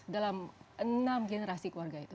dalam enam generasi keluarga itu